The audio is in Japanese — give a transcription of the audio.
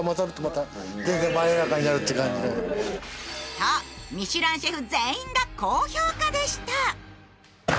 と、ミシュランシェフ全員が高評価でした。